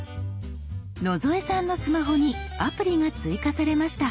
野添さんのスマホにアプリが追加されました。